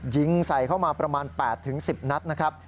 ยิงใส่เข้ามาประมาณ๘๑๐นัดนะครับ